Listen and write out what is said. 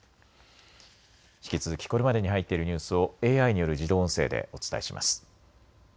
引き続きこれまでに入っているニュースをＡＩによる自動音声でお伝えします。